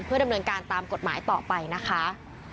ดำเนินการตามกฎหมายต่อไปนะคะ